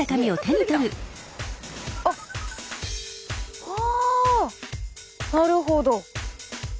あっはあなるほど。